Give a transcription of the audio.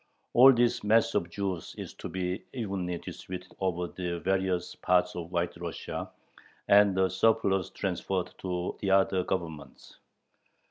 All this mass of Jews is to be evenly distributed over the various parts of White Russia, and the surplus transferred to the other Governments.